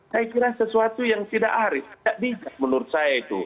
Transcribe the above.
saya kira sesuatu yang tidak aris tidak bijak menurut saya itu